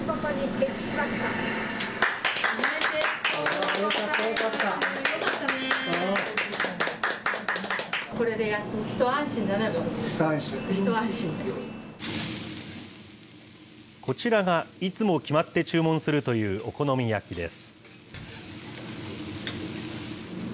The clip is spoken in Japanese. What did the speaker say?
こちらがいつも決まって注文するというお好み焼きです。